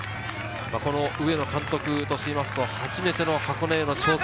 上野監督として見ると初めての箱根への挑戦。